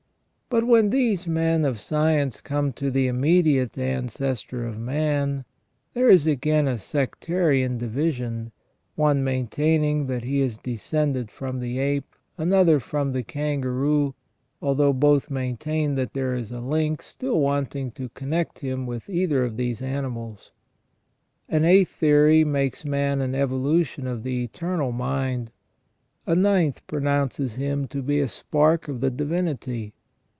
But when these men of science come to the immediate ancestor of man, there is again a sectarian division, one maintaining that he is descended from the ape, another from the kangaroo, although both maintain that there is a link still wanting to connect him with either of these animals. An eighth theory makes man an evolution of the eternal mind. A ninth pronounces him to be a spark of the divinity.